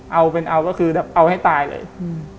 เอาเป็นเอาก็คือแบบเอาให้ตายเลยอืม